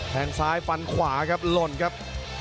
งซ้ายฟันขวาครับหล่นครับ